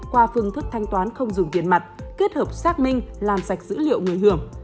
qua phương thức thanh toán không dùng tiền mặt kết hợp xác minh làm sạch dữ liệu người hưởng